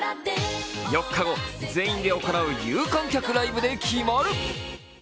４日後、全員で行う有観客ライブで決まる。